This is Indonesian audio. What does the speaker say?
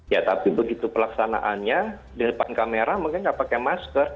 ya tapi begitu pelaksanaannya di depan kamera mungkin nggak pakai masker